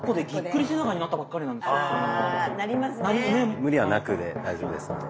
「無理はなく」で大丈夫ですので。